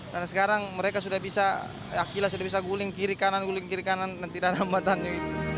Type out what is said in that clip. dan sekarang mereka sudah bisa akila sudah bisa guling kiri kanan guling kiri kanan dan tidak ada hambatannya